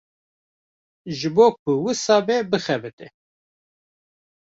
Ji bo ku wisa be bixebite.